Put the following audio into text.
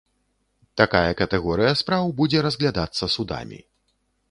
Такая катэгорыя спраў будзе разглядацца судамі.